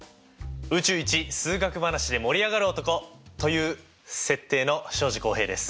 宇宙一数学話で盛り上がる男！という設定の庄司浩平です。